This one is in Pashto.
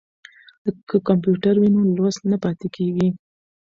که کمپیوټر وي نو لوست نه پاتې کیږي.